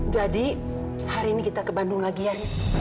jadi hari ini kita ke bandung lagi riz